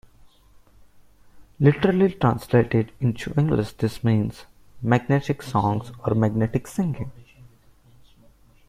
Literally translated into English this means "Magnetic Songs" or "Magnetic Singing".